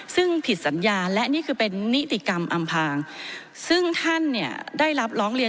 ซึ่งผิดสัญญาและนี่คือเป็นนิติกรรมอำพางซึ่งท่านเนี่ยได้รับร้องเรียน